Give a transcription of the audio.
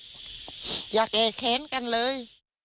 อยากแอเข้นกันเลย